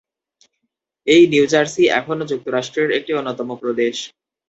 এই New Jersey এখনো যুক্তরাষ্ট্রের একটি অন্যতম প্রদেশ।